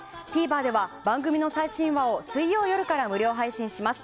ＴＶｅｒでは番組の最新話を水曜夜から無料配信します。